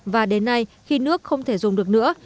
và đến nay khi nước không thể dùng được nữa